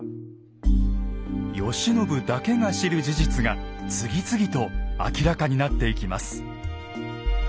慶喜だけが知る事実が次々と明らかになっていきます。